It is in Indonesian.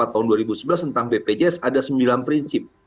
tentang bpjs ada sembilan prinsip